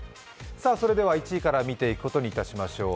それでは１位から見ていくことにいたしましょう。